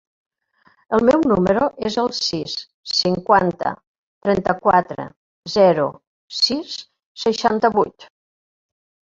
El meu número es el sis, cinquanta, trenta-quatre, zero, sis, seixanta-vuit.